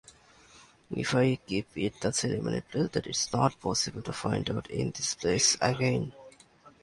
অনুষ্ঠান শেষে সেখানে রেখে গেলে পরদিন সকালে সেখানে আর তা দেখা যেত না।